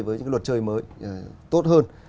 với những luật chơi mới tốt hơn